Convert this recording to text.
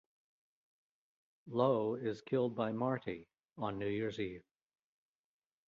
Lowe is killed by Marty on New Year's Eve.